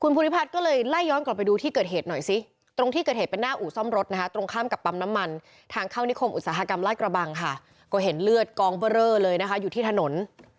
ภูริพัฒน์ก็เลยไล่ย้อนกลับไปดูที่เกิดเหตุหน่อยสิตรงที่เกิดเหตุเป็นหน้าอู่ซ่อมรถนะคะตรงข้ามกับปั๊มน้ำมันทางเข้านิคมอุตสาหกรรมลาดกระบังค่ะก็เห็นเลือดกองเบอร์เรอเลยนะคะอยู่ที่ถนน